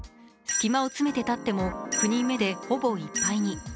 隙間を詰めて立っても９人目でほぼいっぱいに。